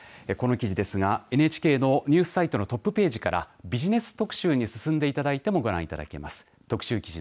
この記事ですがＮＨＫのニュースサイトのトップページからビジネス特集に進んでいただいてもご覧いただけます。